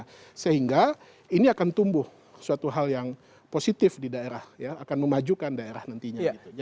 karena ini akan tumbuh suatu hal yang positif di daerah ya akan memajukan daerah nantinya gitu